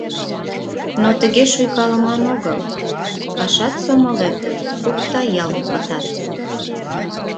Но тыге шуйкалыман огыл, пашат-сомылет куктаялт пытат.